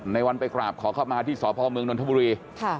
ในวันไปกราบขอเข้ามาที่สพเมืองนทบุรี